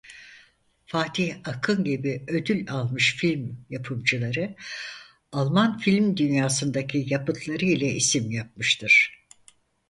Fatih Akın gibi ödül almış film yapımcıları Alman film dünyasındaki yapıtları ile isim yapmıştır.